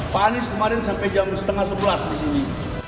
pak anies kemarin sampai jam setengah sebelas di sini